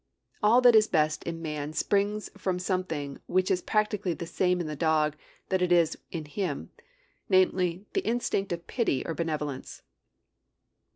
All that is best in man springs from something which is practically the same in the dog that it is in him, namely, the instinct of pity or benevolence.